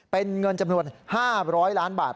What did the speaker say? เป็นเงินจำนวน๕๐๐ล้านบาท